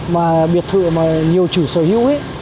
mà biệt thự mà nhiều chủ sở hữu ấy